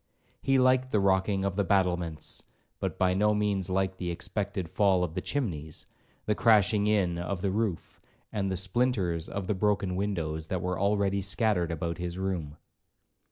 He 'liked the rocking of the battlements,' but by no means liked the expected fall of the chimneys, the crashing in of the roof, and the splinters of the broken windows that were already scattered about his room.